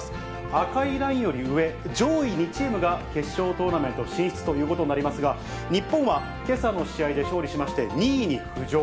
赤いラインより上、上位２チームが決勝トーナメント進出ということになりますが、日本はけさの試合で勝利しまして、２位に浮上。